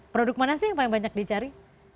produk mana sih yang paling banyak dicari